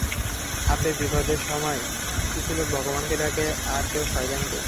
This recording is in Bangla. আব্বে বিপদে সময়, কিছু লোক ভগবানকে ডাকে আর কেউ শয়তানকে!